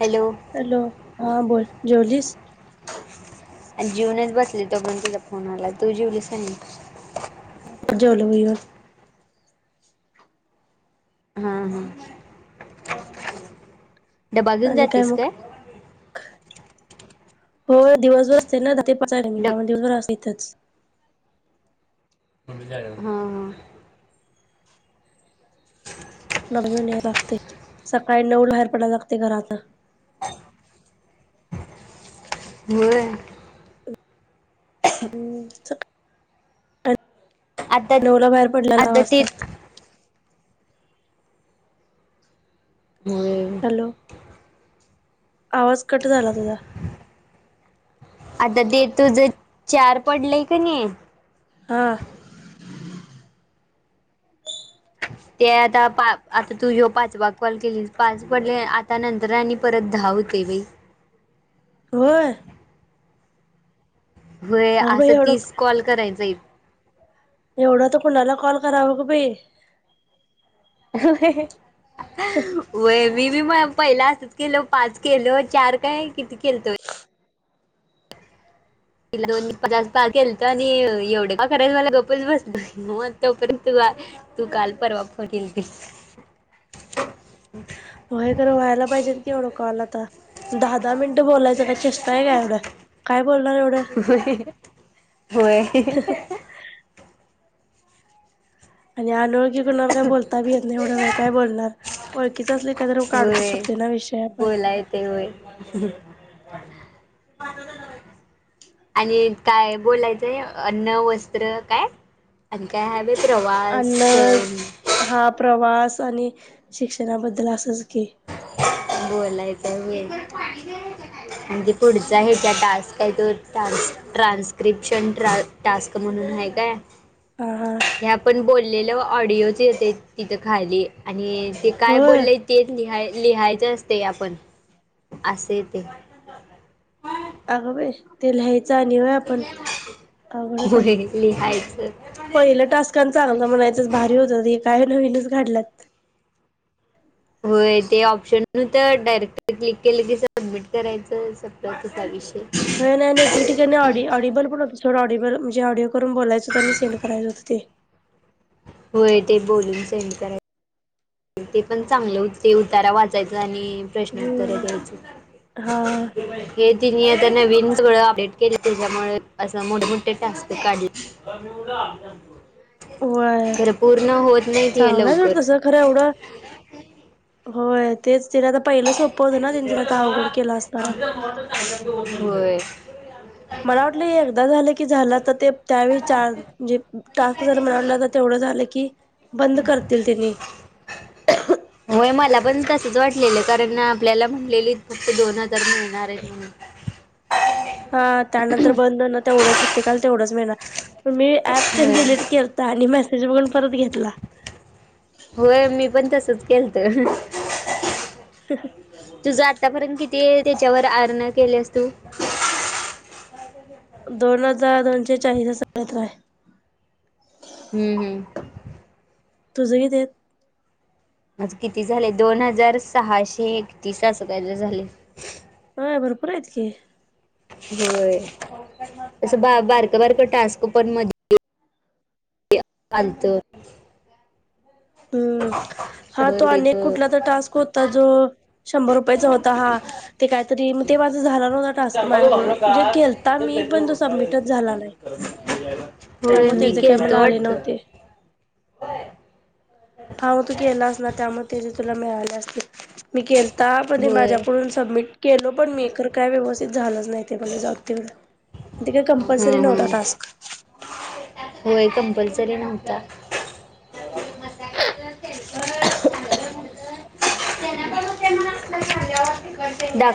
Hello hello हा बोल जवलीस आणि जीवनच बसली तो पण तुझ्या फोनाला तू जीवलीस नाही जवलं होईवा हम् हम् डबा घेऊन आणि जातेस मग काय हो दिवसभर असते ना ते प डब दिवसभर अस इथंच हा हा नघेऊन या लागते सकाळी नऊ बाहेर पडायला लागते घरात हो हम् आता नवला बाहेर पडल्याला आता ते हवाजतात होम् हलो आवाज कट झाला तुझा आता ते तुझं चार पडलंय का नाही हा ते आता पा आता तू येऊ पाच वाग कॉल केली पाच पडले आता नंतर आणि परत हावत तेवे वर होय बाई असं एवढं तीस कॉल करायचाय एवढं तर कुणाला कॉल कराव ग बाई व विीवी म पहिला असतच केलं पाच केलं चार काय किती केल तोय त दोन पच पा गलत आणि एवढे कराय मला गप्पच बसतो मग तोपर्यंत तू काल परवा फटील तस हो हे खं व्हायला पाहिजेत कवढ कॉला दहा दहा मिनिटं बोलायच काय चेष्टा आहे का एवढ काय बोलणार एवढं होय होय आणि आरोग्य बणार काय बोलता भी येत नाही एवढा वेळ काय बोलणार ओखीच असली काही तर काढूच शकते ना विषय आपण य ते होय आणि काय बोलायचंय अन्न वस्त्र काय आणि काय ह ब अन्न हा प्रवास आणि शिक्षणाबद्दल असंच घी बोलायचा वेल म्हणजे पुढचा हेच्या डानस् का आहे तो डानस ट्रांस्क्रिप्शन ट्रा टस्क म्हणून हग ह हा बोललेलं ऑडिओच येते तिथं खाली आणि ते काय होय बोललं तेच लिहाय लिहायचं असते आपण अगं बाई ते लिहायचं आणि होय आपण अघडच आहे होय लिहायचं पहिलं टास्क आणि चांगल म्हणायचं भारी होत हे काय नवीनच काढल्यात होय ते ऑप्शन तर डायरेक्ट क्लिक केलं की सबमिट करायचं संपला विषय [unintelligible] म्हणजे ऑडिओ करून बोलायच होतं आणि सेंड करायचं होतं ते होय ते बोलून सेंड करायच ते पण चांगलं हो ते उतारा वाचायचं आणि प्रश्नोत्तर हम्म द्यायच हा तिने आता नवीन सगळं अपडेट केले त्याच्यामुळे असं मोठे मोठे टास्क काढले वय खरं पूर्ण होत नाही ते चांगलंय आहे सोड लवकर तस खरं एवढं होय तेच ते ना पहिलं सोप होतं ना त्यांच्याला तर अवघड केला असणार होय आहे [inaudible] मला वाटलं एकदा झालं की झालं तर ते त्यावेळी चे टास्क जर मला वाट तर तेवढ क झाला की बंद करतील त्यांनी होय मला पण तसच वाटलेलं कारण आपल्याला म्हणलेली फक्त दोनच हा त्यानंतर बंद ना तेवढंच प्रत्येकाला तेवढंच मिळनार मी अँप तेनं होय डिलीट केलत आणि मॅसेज बघून परत घेतला. होय मी पण तसच केलत तुझ आतापर्यंत किती त्याच्यावर एअरर्न केल्यास तू दोन हजार दोनशे चाळीस असा काय तर आहे हम्म हम्म तुझं किती हयात माझं किती झाले दोन हजार सहाशे एकतीस असं काय तर झालं हा भरपूर ह्यात की होय असं बा बारकं बारकं टास्क पण मध्ये आल्त हम्म हा तो अनेक रुपयेच कुठला तर टास्क होता जो शंभर रुपयाचा होता हा ते काहीतरी झाला नवता टास्क सांगायला माझ्याकडून लागलो म्हणजे का केलंता कुठेच मी काहीतरी पण तो उरकायला येत सबमिटच झाला फोन नाही बिन होय त्यामुळे मी त्याचे काय मला केलतो आले वाटतं नव्हते हा मग तू केला असनार त्यामुळे त्याझे तुला मिळाले असतील मी केलता पण ते होय माझ्याकडून सबमिट केलो पण मी पण काय व्यवस्थित झालंच नाही ते मला जाऊ दे तिकडं ते काय कंम्पल्सरी हम्म नव्हता हम्म टास्क होय कंपल्सरी नव्हता डा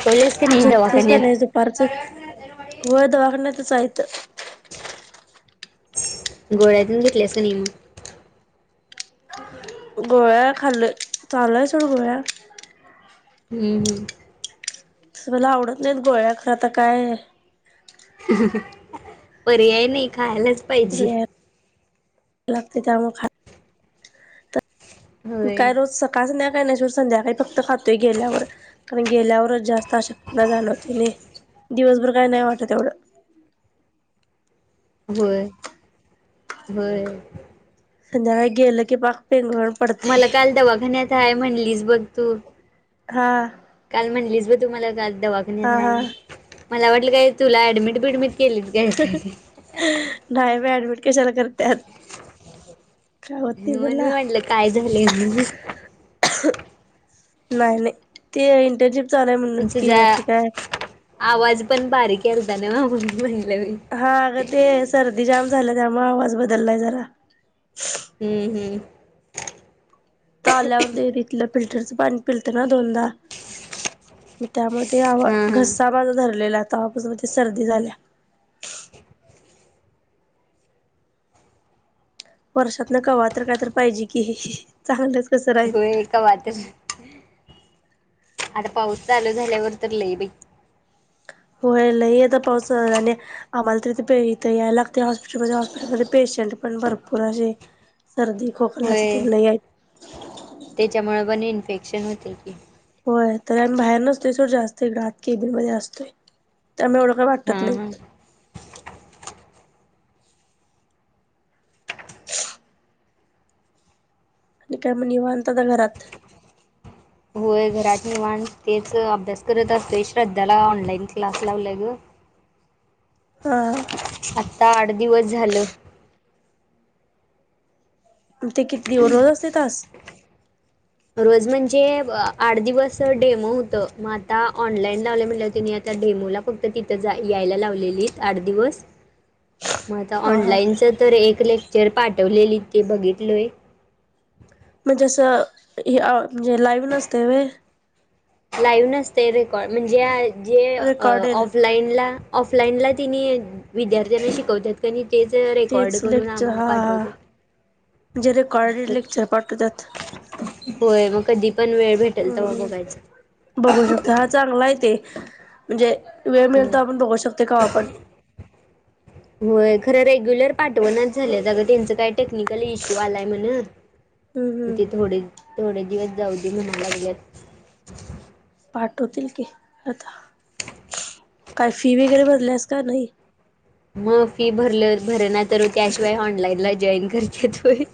झोपतीस का नाही दुपारचं होय दवाखना चालत चालत गोळ्या तेन घेतल्यास की नाही मग गोळ्या खाल्ल्लोय चालू आहे सोड गोळ्या हम्म हम्म तसं मला आवडत नाहीत गोळ्या खरं आता काय पर्याय नाही खायलाच पाहिजे घ्यायला लागते त्यामुळे खायला होय काय रोज सकाळ संध्याकाळ काय नाही सोड संध्याकाळी फक्त खातोय गेल्यावर कारण गेल्यावरच जास्त अशक्तपणा जाणवतोय नाई दिवसभर काय नाही वाटत एवढं हो हो संजा व गेलं क पा मला काल दवाखान्यात आहे म्हणलीस बघ तू हा काल म्हणलीस ब तुम्हाला का हा दवाख्याल हा मला वाटलं काय तुला ऍडमिट बी नाही मी ऍडमिट कशाला करत्यात. काय होतंय म्हण मला मी म्हटलं काय झालंय म्ह नाही नाही ते इंटरजिप तुजा आवाज पण बारीक यालता ना. मी हा अग ते सर्दी जाम झालं त्यामु आवाज बदललाय जरा. हम्म हम्म तला्याते रीतला फिल्टरच पाणी पिलतना दोन दा त्यामळे हा घसा हा माझा धरलेला. तेव्हापासून मग ती सर्दी झाल्या. वर्षात ना कवात्र काय तर पाहिजे कि चांगलं. होय कवा तर आता पाऊस चालू झाल्यावर तर लय बाई. लय आता पाऊस आणि आम्हाला तर इथे यायला लागते हॉस्पिटलमध्ये हॉस्पिटलमध्ये पेशंट पण भरपूर अशी सर्दी खोकलाचे होय तेन लई आहेत. अ्छात होतंय की, होय तर आ बाहेर नसतोय सोड जास्त आात केबिनमध्ये असतोय त्यामुळे एवढं काही हा वाटत नाही. हा आणि काय म नीवांत का घरात. होय घरात निवांत तेच अभ्यास करत असते श्रद्धाला ऑनलाईन क्लास लावलाय ग. हा.... आता आठ दिवस झालं. ते किती दिवस रोज असते तास. रोज म्हणजे आठ दिवस डेमो होत मग आता ऑनलाईन लावलं म्हटला आता, डेमोला फक्त तिथं जा यायला लावलेलीच आठ दिवस. य मग आता ऑनलाईनच तर एक, एक लेक्चर पाठवलेली ते बघितलोय. म्हणजे अस म्हणजे लाईव्ह नसते व्हय. लाईव्ह नसते रेकॉर्ड म्हणजे जे रेकॉर्डेड? ऑफलाईन ला, ऑफलाईनला तिने विद्यार्थ्यांना शिकवतात कनई तेच रेकॉर्ड तेच करून लेक्चर आम्हाला हा हा पाठवते. म्हणजे रेकॉर्ड लेक्चर पाठव त्याात होय मग कधी पण वेळ भेटेल तेव्हा हम्म बघायच. बघू शकतो हा चांगला आहे ते म्हणजे वेळ मिळत आपण बघू शकतो आपण केव्हा पण होय खरं रेग्युलर पाठवणच झाल्या जागं त्यांचं काही टेक्निकल इश्यू आलाय म्हण, हम्म हम्म. ते थोडे दिवस जाऊ दे म्हना लागल्यात. पाठवतील की आता काय फी वगैरे बरल्यास का नाही. मग फी भरल भर ना तर त्याशिवाय ऑनलाईनला जॉईन करत्यात होय.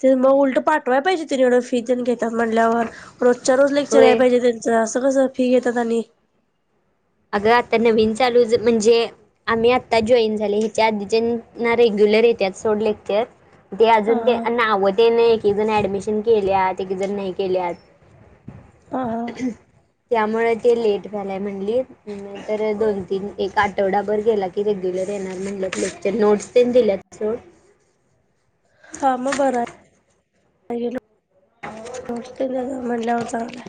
ते मग उलट पाठवाय पाहिजे तिन एवढं फितेन घेतात म्हणल्यावर रोजच्या रोज लेक्चर या होय पाहिजे त्यांचं असं कसं फी घेतात आणि अगं आता नवीन चालू म्हणजे आम्ही आता जॉईन झाले हच्या आधी रेग्युलर य अज हा [inaudible] तेने एकी जण ऍडमिशन केल्यात एक जण नाही केल्यात हा हा त्यामुळे ते लेट झालाय म्हणली तर दोन तीन एक आठवडाभर गेला की रेग्युलर येणार म्हणटलं लेक्चर नोट्स पण दिल्यात सं हा मग बरं हाय - [unintelligible] चांगलं हाय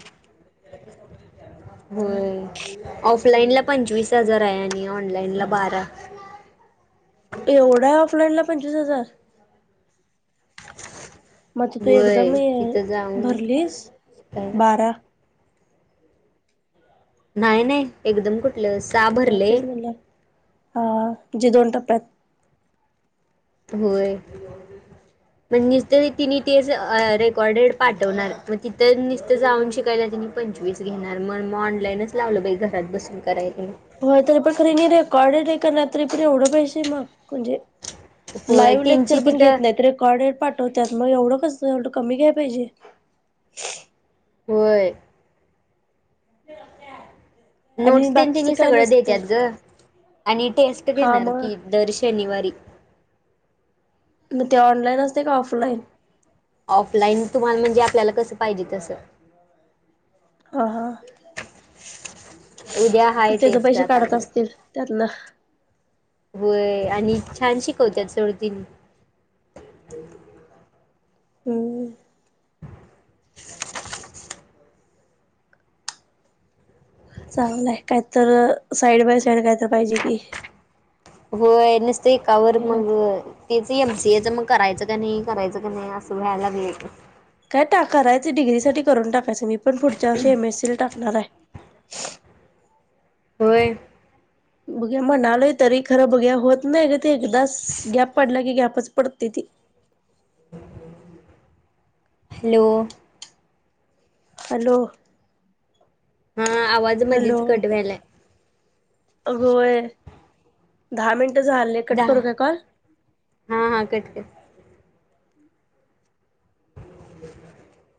[inaudible] होय. ऑफलाइन ला पंचवीस हजार आहे आणि ऑनलाइनला बारा. एवढा आहे ऑफलाईन ला पंचवीस हजार. म त तू होय एकदम तिथं जाऊन भरलीस काय बारा - नाही -नाही एकदम कुठलं सहा म भरलय तेच - म्हणलं हा जे दोन टप्प्यात - होय. रिकामा ऑडिओ मग निसत तिने तेच रेकॉर्डेड पाठवणार मग तिथं नुसतं जाऊन शिकायला त्याने पैशे - पंचवीस घेणार मग मग ऑनलाईनच लावलं बाई घरात बसून करायला. हो तरी पण खरी नाही रेकॉर्डेड आहे कर नाही तरी पण एवढं पैसे मग म्हणजे - होय लाईव्ह त्यांची लेक्चर पण तिथं घेत नाही रेकॉर्डेड - त्यात मग एवढं कस ए कमी घ्याय पाहिजे. होय. रिकामा ऑडिओ आणि नोट्स बाकीचं त्यांच्या काय सगळं नसते देतात ग आणि टेस्ट हा घेणार मग की दर शनिवारी. [unintelligible] मग ते ऑनलाईन असते का ऑफलाईन? ऑफलाईन तुम्हाला म्हणजे आपल्याला कसं पाहिजे तसं. हां. उद्या हाय त्याचे टेस्ट पैसे आता काढत घरी. असतील त्यातलं. होय आणि छान शिकवतात सर तिनी. हम्म. रिकामा ऑडिओ चांगलंय काय तर साईड बाय साईड काय तर पाहिजे कि. हो नुसत एकावर मग तेच एक तेच मग करायचं का नाही करायचं का नाही असं व्हय लागलय. काय टाकाय करायच ते डिग्रीसाठी करून टाकायचं मी पण पुढच्या वर्षी एम एससी ला टाकणार आहे. होय. बघ्या म्हणालोय तरी खरं बघ्या होत नाही ग ते एकदा गॅप पडला की गॅपच. पडतय ते. हॅलो. हॅलो. हा आवाज मधीच कट व्हायलाय. अग होय दहा मिनट - झाले कट करू दहा का कॉल? हा हा कट कर. रिकामा ऑडिओ